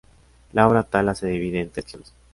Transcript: La obra "Tala" se divide en trece secciones.